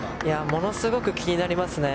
ものすごく気になりますね。